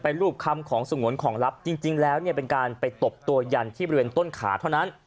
รูปคำของสงวนของลับจริงแล้วเนี่ยเป็นการไปตบตัวยันที่บริเวณต้นขาเท่านั้น